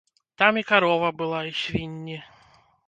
Там і карова была, і свінні.